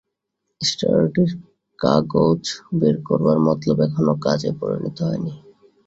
স্টার্ডির কাগজ বের করবার মতলব এখনও কাজে পরিণত হয়নি।